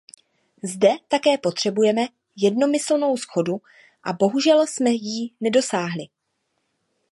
Zde také potřebujeme jednomyslnou shodu a bohužel jsme jí nedosáhli.